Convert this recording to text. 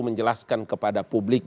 menjelaskan kepada publik